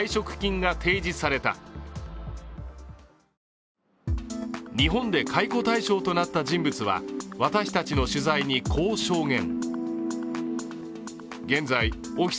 理由については日本で解雇対象となった人物は私たちの取材にこう証言。